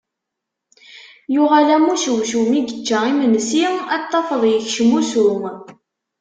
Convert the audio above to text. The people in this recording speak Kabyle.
Yuɣal am ucewcew mi yečča imensi a t-tafeḍ yekcem usu.